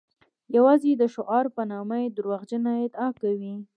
یوازې د شعار په نامه یې دروغجنه ادعا کوي.